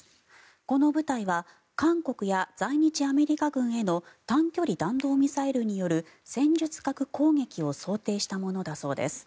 この部隊は韓国や在日アメリカ軍への短距離弾道ミサイルによる戦術核攻撃を想定したものだそうです。